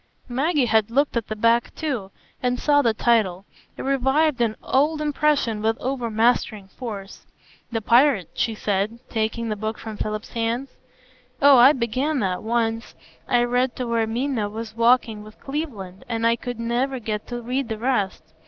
Maggie had looked at the back too, and saw the title; it revived an old impression with overmastering force. "'The Pirate,'" she said, taking the book from Philip's hands. "Oh, I began that once; I read to where Minna is walking with Cleveland, and I could never get to read the rest.